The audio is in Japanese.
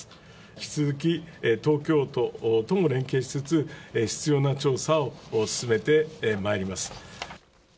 引き続き東京都とも連携しつつ、必要な調査を進めてまいります。